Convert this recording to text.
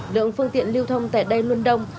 lượng phương tiện lưu thông tại đây luôn đông